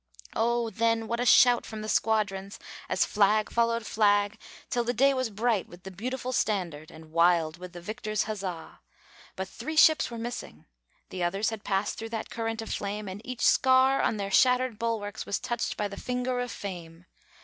Oh, then what a shout from the squadrons! As flag followed flag, till the day Was bright with the beautiful standard, And wild with the victors' huzza! But three ships were missing. The others Had passed through that current of flame; And each scar on their shattered bulwarks Was touched by the finger of Fame.